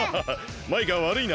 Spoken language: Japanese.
マイカわるいな。